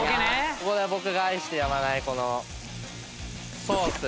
ここで僕が愛してやまないこのソース。